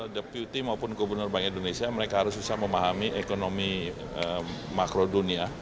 deputi maupun gubernur bank indonesia mereka harus susah memahami ekonomi makro dunia